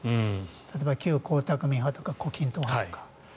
例えば旧江沢民派とか胡錦涛派とか。